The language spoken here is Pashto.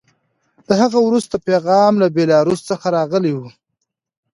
د هغه وروستی پیغام له بیلاروس څخه راغلی و